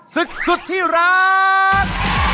ศึกสุดที่รัก